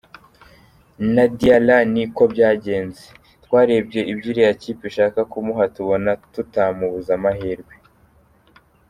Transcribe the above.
Na Diarra ni ko byagenze, twarebye ibyo iriya kipe ishaka kumuha tubona tutamubuza amahirwe.